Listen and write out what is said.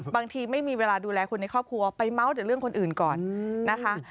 บางทีไม่มีเวลาดูแลคนในครอบครัวไปเมาส์แต่เรื่องคนอื่นก่อนนะคะ